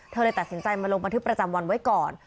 เลยตัดสินใจมาลงบันทึกประจำวันไว้ก่อน